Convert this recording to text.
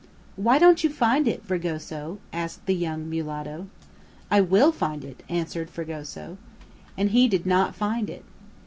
"Why don't you find it, Fragoso?" asked the young mulatto. "I will find it," answered Fragoso. And he did not find it!